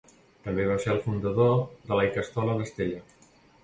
També va ser el fundador de la ikastola d'Estella.